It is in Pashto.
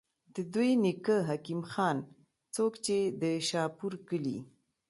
د دوي نيکۀ حکيم خان، څوک چې د شاهپور کلي